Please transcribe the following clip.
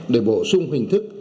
để bổ sung hình thức